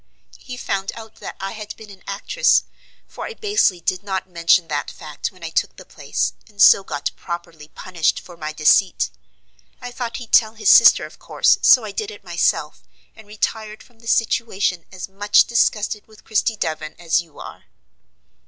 He found out that I had been an actress; for I basely did not mention that fact when I took the place, and so got properly punished for my deceit. I thought he'd tell his sister of course, so I did it myself, and retired from the situation as much disgusted with Christie Devon as you are."